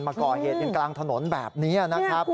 มาก่อเหตุกันกลางถนนแบบนี้นะครับ